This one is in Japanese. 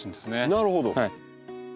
なるほど。